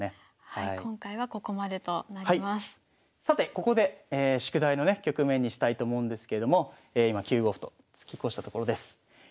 さてここで宿題のね局面にしたいと思うんですけれども今９五歩と突き越したところです。